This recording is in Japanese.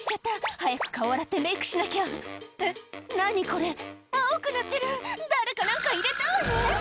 これ青くなってる誰か何か入れたわね」